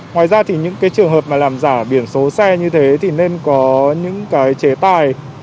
ngoài ra thì những cái trường hợp mà làm giả biển số xe như thế thì nên có những cái chế tài